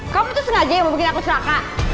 kamu tuh sengaja yang mau bikin aku seraka